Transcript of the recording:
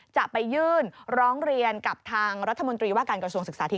จะไปยื่นร้องเรียนกับทางรัฐมนตรีว่าการกระทรวงศึกษาธิ